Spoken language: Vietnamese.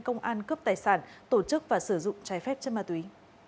công an cướp tài sản tổ chức và sử dụng trái phép chất ma túy